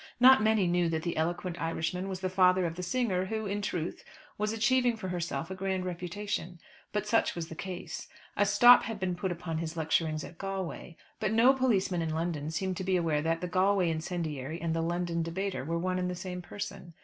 Not many knew that the eloquent Irishman was the father of the singer who, in truth, was achieving for herself a grand reputation. But such was the case. A stop had been put upon his lecturings at Galway; but no policeman in London seemed to be aware that the Galway incendiary and the London debater were one and the same person.